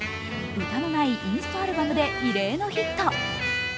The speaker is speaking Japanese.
歌のないインストアルバムで異例のヒット。